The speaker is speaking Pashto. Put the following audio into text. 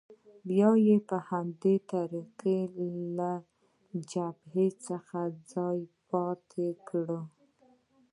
بیا یې په همدې طریقه له جبهې څخه ځانونه پاتې کړي.